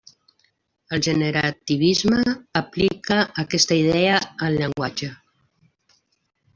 El generativisme aplica aquesta idea al llenguatge.